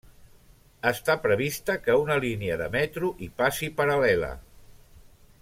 Està prevista que una línia de metro hi passi paral·lela.